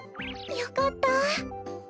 よかった。